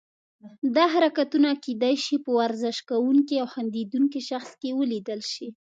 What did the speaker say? دا حرکتونه کیدای شي په ورزش کوونکي او خندیدونکي شخص کې ولیدل شي.